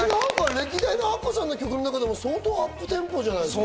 歴代のアッコさんの曲の中でも相当アップテンポじゃないですか？